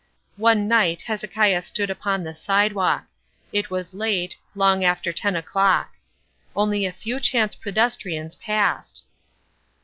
One night Hezekiah stood upon the sidewalk. It was late, long after ten o'clock. Only a few chance pedestrians passed.